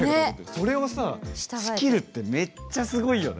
それをさ仕切るってめっちゃすごいよね。